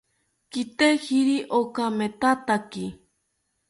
Kitejiri okamethataki